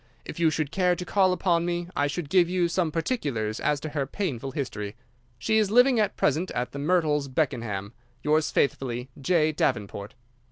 If you should care to call upon me I could give you some particulars as to her painful history. She is living at present at The Myrtles, Beckenham. Yours faithfully, J. Davenport.